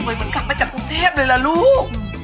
เหมือนกลับมาจากกรุงเทพเลยล่ะลูก